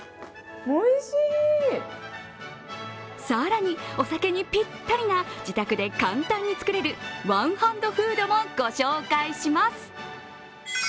更にお酒にぴったりな自宅で簡単に作れるワンハンドフードもご紹介します。